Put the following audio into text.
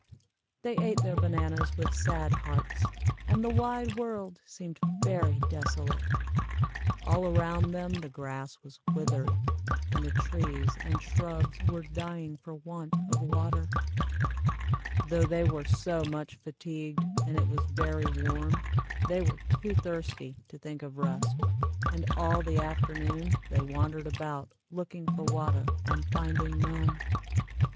They ate their bananas with sad hearts, and the wide world seemed very desolate. All around them the grass was withered, and the trees and shrubs were dying for want of water. Though they were so much fatigued, and it was very warm, they were too thirsty to think of rest, and all the afternoon they wandered about looking for water and finding none.